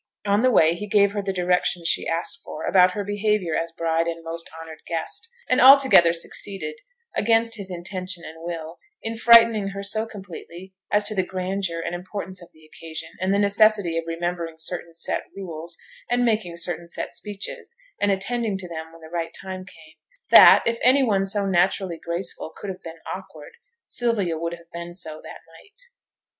On the way he gave her the directions she asked for about her behaviour as bride and most honoured guest; and altogether succeeded, against his intention and will, in frightening her so completely as to the grandeur and importance of the occasion, and the necessity of remembering certain set rules, and making certain set speeches and attending to them when the right time came, that, if any one so naturally graceful could have been awkward, Sylvia would have been so that night.